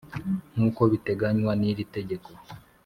nk uko biteganywa n iri tegeko